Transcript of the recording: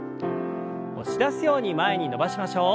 押し出すように前に伸ばしましょう。